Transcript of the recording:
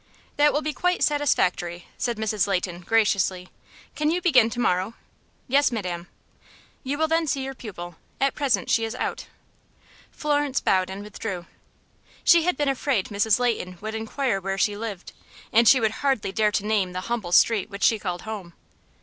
"That will be quite satisfactory," said Mrs. Leighton, graciously. "Can you begin to morrow?" "Yes, madam." "You will then see your pupil. At present she is out." Florence bowed and withdrew. She had been afraid Mrs. Leighton would inquire where she lived, and she would hardly dare to name the humble street which she called home.